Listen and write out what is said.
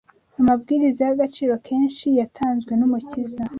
amabwiriza y’agaciro kenshi yatanzwe n’Umukiza